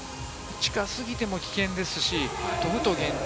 近すぎても危険ですし、飛ぶと減点。